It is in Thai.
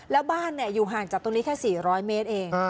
แล้วบ้านอยู่ห่างจากตรงนี้แค่๔๐๐เมตรเอง